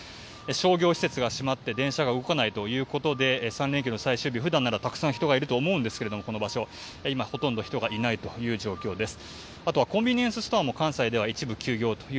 商業施設が閉まって電車が動かないということで３連休の最終日、普段ならばたくさん人がいると思うんですがこの場所は今、ほとんど人がいない状況です。